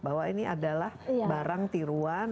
bahwa ini adalah barang tiruan